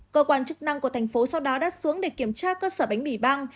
cơ quan chức năng của thành phố sau đó đã xuống để kiểm tra cơ sở bánh mì băng